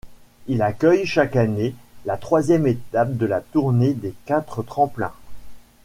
Il accueille chaque année la troisième étape de la Tournée des quatre tremplins.